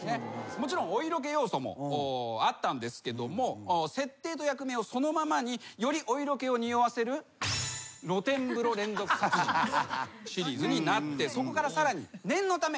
もちろんお色気要素もあったんですけども設定と役名をそのままによりお色気をにおわせる『露天風呂連続殺人』シリーズになってそこからさらに念のため。